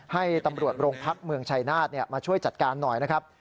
ให้ตำรวจโรงพักเมืองชายนาฏมาช่วยจัดการหน่อยนะครับ